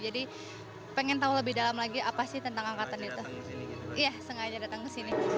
jadi pengen tahu lebih dalam lagi apa sih tentang angkatan itu